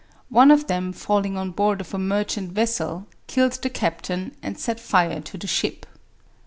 One of them falling on board of a merchant vessel, killed the captain and set fire to the ship.